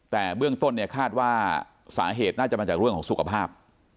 แต่เบื้องต้นเนี่ยคาดว่าสาเหตุน่าจะมาจากเรื่องของสุขภาพ